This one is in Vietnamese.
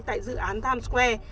tại dự án times square